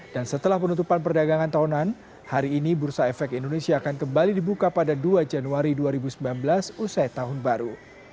dan setelah penutupan perdagangan tahunan hari ini bursa efek indonesia akan kembali dibuka pada dua januari dua ribu sembilan belas usai tahun baru